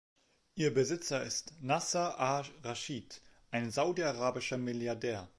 Ihr Besitzer ist Nasser ar-Raschid, ein saudi-arabischer Milliardär.